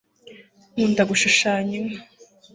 nkunda gushushanya inka